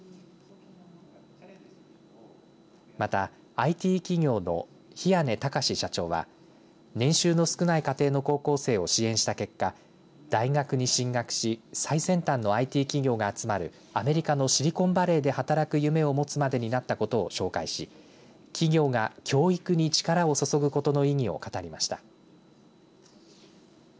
また、ＩＴ企業の比屋根隆社長は年収の少ない家庭の高校生を支援した結果大学に進学し最先端のＩＴ企業が集まるアメリカのシリコンバレーで働く夢をもつまでになったことを紹介し企業が教育に力を注ぐことの意義を語りました。